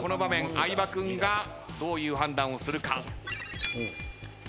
相葉君がどういう判断をするか。